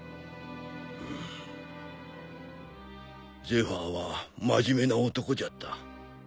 ゼファーは真面目な男じゃった。